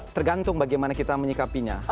tergantung bagaimana kita menyikapinya